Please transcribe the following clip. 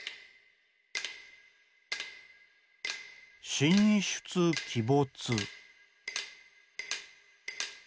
「神出鬼没」。